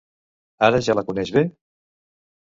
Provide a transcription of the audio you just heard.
Ara ja la coneix bé?